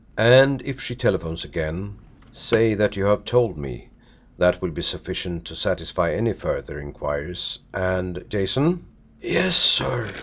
And if she telephones again, say that you have told me that will be sufficient to satisfy any further inquiries. And Jason " "Yes, sir?"